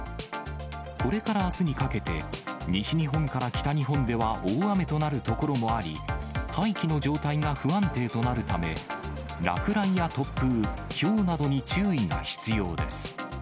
これからあすにかけて、西日本から北日本では、大雨となる所もあり、大気の状態が不安定となるため、落雷や突風、ひょうなどに注意が必要です。